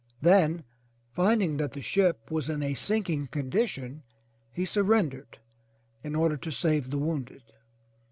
Then, finding that the ship was in a sinking condition, he surrendered in order to save the wounded.